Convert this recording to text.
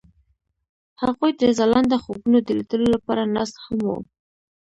هغوی د ځلانده خوبونو د لیدلو لپاره ناست هم وو.